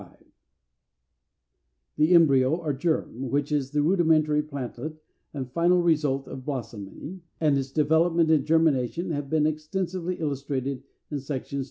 =The Embryo= or Germ, which is the rudimentary plantlet and the final result of blossoming, and its development in germination have been extensively illustrated in Sections II.